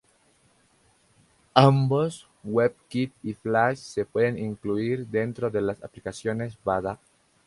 Ambos WebKit y Flash se pueden incluir dentro de las aplicaciones Bada.